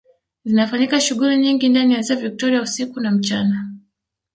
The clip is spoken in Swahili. Zinafanyika shughuli nyingi ndani ya ziwa Viktoria usiku na mchana